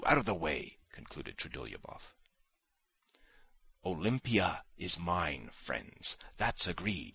Out of the way!" concluded Trudolyubov. "Olympia is mine, friends, that's agreed!"